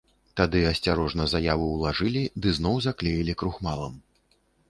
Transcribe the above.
Тады асцярожна заяву ўлажылі ды зноў заклеілі крухмалам.